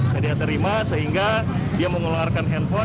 tidak terima sehingga dia mengeluarkan handphone